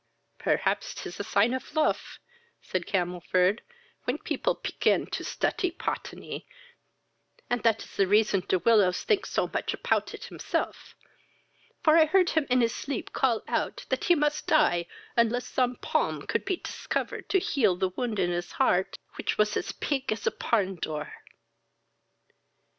"Perhaps 'tis a sign of luf, (said Camelford,) when people pegin to study potany, and that is the reason De Willows thinks so much apout it himself; for I heard him in his sleep call out, that he must die, unless some palm could be tiscovered to heal the wound in his heart, which was as pig as a parn door."